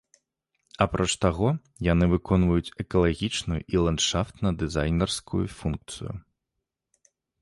Апроч таго, яны выконваюць экалагічную і ландшафтна-дызайнерскую функцыю.